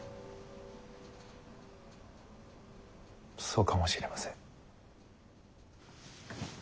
そうかもしれません。